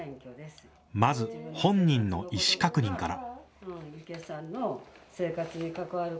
まず本人の意思確認から。